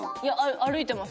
歩いてます。